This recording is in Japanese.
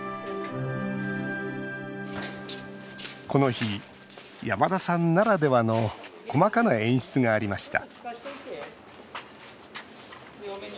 この日、山田さんならではの細かな演出がありました。